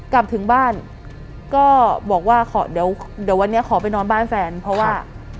กลับถึงบ้านก็บอกว่าขอเดี๋ยววันนี้ขอไปนอนบ้านแฟนเพราะว่า